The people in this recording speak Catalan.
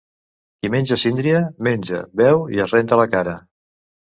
Qui menja síndria, menja, beu i es renta la cara.